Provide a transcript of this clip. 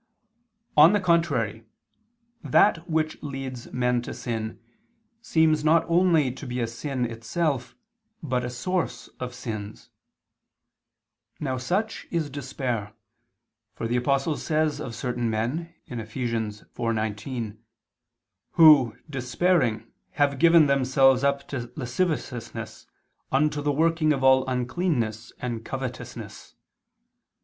On the contrary, That which leads men to sin, seems not only to be a sin itself, but a source of sins. Now such is despair, for the Apostle says of certain men (Eph. 4:19): "Who, despairing, have given themselves up to lasciviousness, unto the working of all uncleanness and [Vulg.: 'unto'] covetousness."